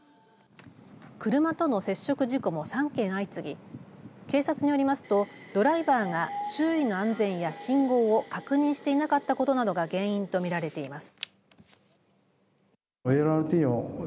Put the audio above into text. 車との接触事故も３件相次ぎ警察によりますとドライバーが周囲の安全や信号を確認していなかったことなどが原因と見られています。